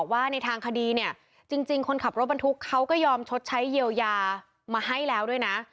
ว่าในทางคดีเนี่ยจริงคนขับรถบรรทุกเขาก็ยอมชดใช้เยียวยามาให้แล้วด้วยนะ